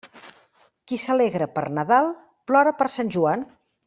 Qui s'alegra per Nadal, plora per Sant Joan.